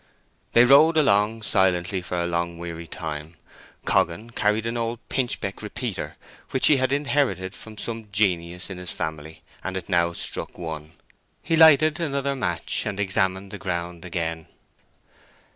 They rode along silently for a long weary time. Coggan carried an old pinchbeck repeater which he had inherited from some genius in his family; and it now struck one. He lighted another match, and examined the ground again.